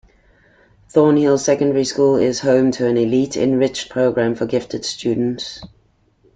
Thornhill Secondary School is home to an elite, enriched program for Gifted students.